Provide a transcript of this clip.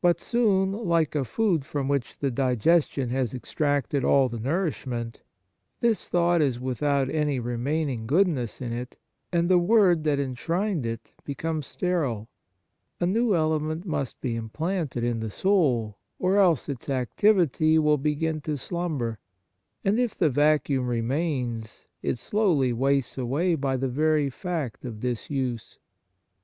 But soon, like a food from which the digestion has extracted all the nourishment, this thought is without any remaining goodness in it, and the word that enshrined it becomes sterile ; a new element must be implanted in the soul, or else its activity will begin to slumber, and if the vacuum remains, it slowly wastes away by the very fact of disuse.